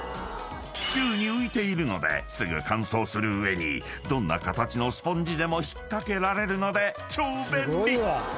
［宙に浮いているのですぐ乾燥する上にどんな形のスポンジでも引っ掛けられるので超便利！］